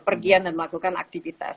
pergian dan melakukan aktivitas